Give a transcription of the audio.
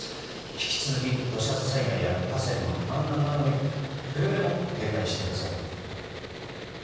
引き続き土砂災害や河川の氾濫などにくれぐれも警戒してください。